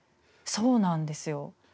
そうなんですよ。